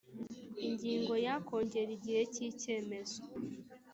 Ingingo ya kongera igihe cy icyemezo